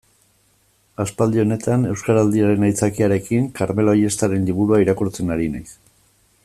Aspaldi honetan, Euskaraldiaren aitzakiarekin, Karmelo Ayestaren liburua irakurtzen ari naiz.